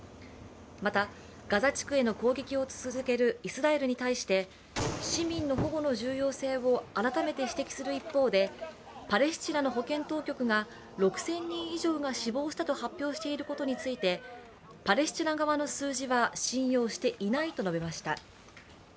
またガザ地区への攻撃を続けるイスラエルに対して、市民の保護の重要性を改めて指摘する一方でパレスチナの保健当局が６０００人以上が死亡したと発表していることについて、パレスチナ側の数字は信用していないと述べました。